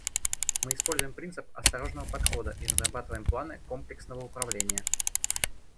Мы используем принцип осторожного подхода и разрабатываем планы комплексного управления.